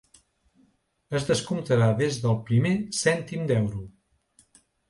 Es descomptarà des del primer cèntim d’euro.